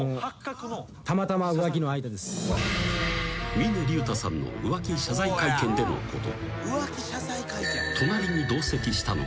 ［峰竜太さんの浮気謝罪会見でのこと］